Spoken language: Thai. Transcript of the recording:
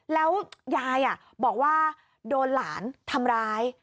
แล้วยายบอกว่าโดนหลานทำร้าย